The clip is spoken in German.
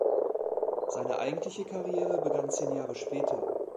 Seine eigentliche Karriere begann zehn Jahre später.